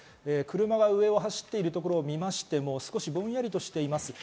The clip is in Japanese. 車が上を走ってるところ見ましても少しぼんやりしています。